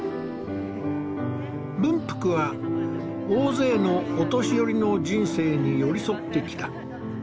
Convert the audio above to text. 文福は大勢のお年寄りの人生に寄り添ってきた。